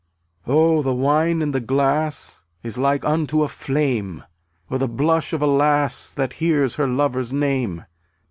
27 1 Oh, the wine in the glass Is like unto a flame, Or the blush of a lass That hears her lover's name.